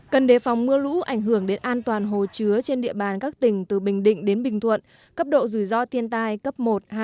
cần đề phòng mưa lũ ảnh hưởng đến an toàn hồ chứa trên địa bàn các tỉnh từ bình định đến bình thuận cấp độ rủi ro thiên tai cấp một hai